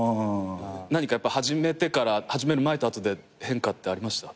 何か始めてから始める前と後で変化ってありました？